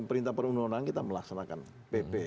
perintah perundang undangan kita melaksanakan pp